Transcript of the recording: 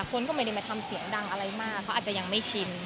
คนก็ไม่ได้มาทำเสียงดังอะไรมากเขาอาจจะยังไม่ชิน